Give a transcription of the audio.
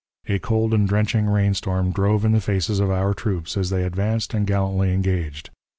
A cold and drenching rain storm drove in the faces of our troops as they advanced and gallantly engaged.